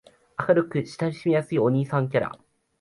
明るく親しみやすいお兄さんキャラ